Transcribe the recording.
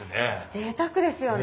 ぜいたくですよね。